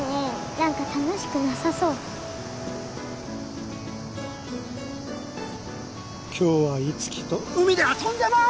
何か楽しくなさそう今日はいつきと海で遊んでます！